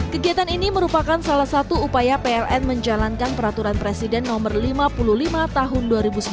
kegiatan ini merupakan salah satu upaya pln menjalankan peraturan presiden no lima puluh lima tahun dua ribu sembilan belas